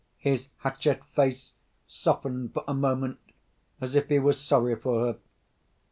His hatchet face softened for a moment, as if he was sorry for her.